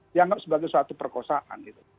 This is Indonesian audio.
dianggap sebagai suatu perkosaan